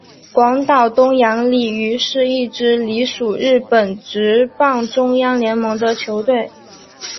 广岛东洋鲤鱼是一支隶属日本职棒中央联盟的球队。